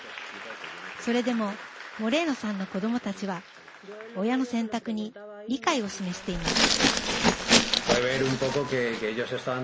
それでもモレーノさんの子どもたちは親の選択に理解を示しています。